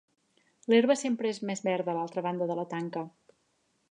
L'herba sempre és més verda a l'altra banda de la tanca.